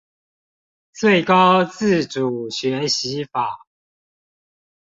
最高自主學習法